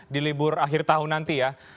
dilibur akhir tahun nanti ya